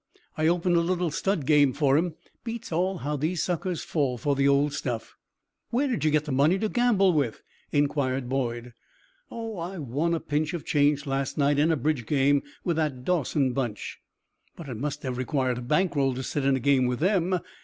"Yep! I opened a little stud game for him. Beats all how these suckers fall for the old stuff." "Where did you get money to gamble with?" inquired Boyd. "Oh! I won a pinch of change last night in a bridge game with that Dawson Bunch." "But it must have required a bank roll to sit in a game with them.